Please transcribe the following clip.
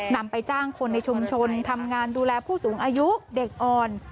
นำไปจ้างคนในชุมชนทำงานดูแลผู้สูงอายุเด็กอ่อน